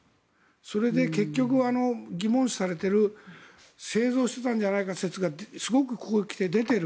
それで結局、疑問視されている製造されていたんじゃないか説がすごくここへ来て、出ている。